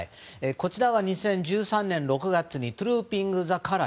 こちらは２０１３年６月トゥルーピング・ザ・カラー。